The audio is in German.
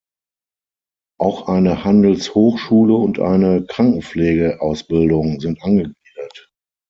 Auch eine Handelshochschule und eine Krankenpflegeausbildung sind angegliedert.